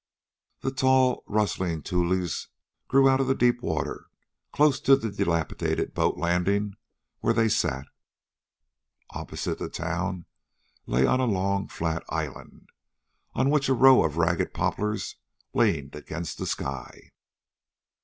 The tall, rustling tules grew out of the deep water close to the dilapidated boat landing where they sat. Opposite the town lay a long flat island, on which a row of ragged poplars leaned against the sky.